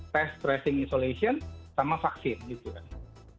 tes tracing dan isolasi sama vaksin gitu kan